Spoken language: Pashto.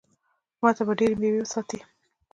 ما ته به ډېرې مېوې وساتي.